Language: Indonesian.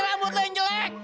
rambut lu yang jelek